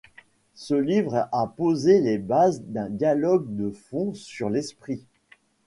Ce livre a posé les bases d'un dialogue de fond sur l'esprit.